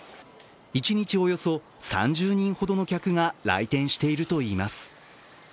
一日およそ３０人ほどの客が来店しているといいます。